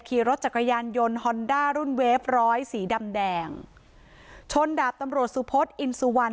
ขี่รถจักรยานยนต์ฮอนด้ารุ่นเวฟร้อยสีดำแดงชนดาบตำรวจสุพศอินสุวรรณ